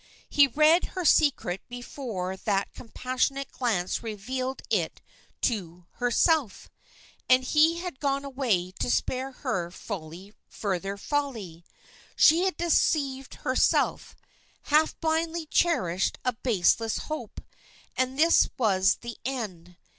He read her secret before that compassionate glance revealed it to herself, and he had gone away to spare her further folly. She had deceived herself, had blindly cherished a baseless hope, and this was the end.